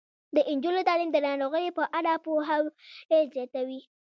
د نجونو تعلیم د ناروغیو په اړه پوهاوی زیاتوي.